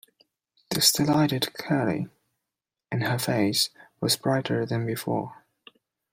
This delighted Charley, and her face was brighter than before.